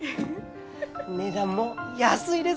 値段も安いですよ！